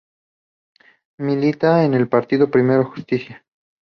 Milita en el partido Primero Justicia.